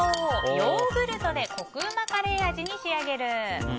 ヨーグルトでコクうまカレー味に仕上げる。